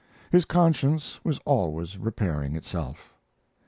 His conscience was always repairing itself.